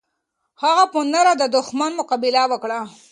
هغه په نره د دښمن مقابله وکړه.